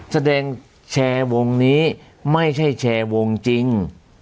แสดงแชร์วงนี้ไม่ใช่แชร์วงจริง